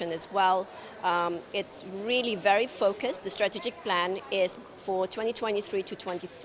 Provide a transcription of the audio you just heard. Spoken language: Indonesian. ini sangat fokus proyek strategis ini untuk dua ribu dua puluh tiga dua ribu tiga puluh